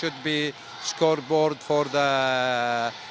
untuk lapangan pentingnya untuk handball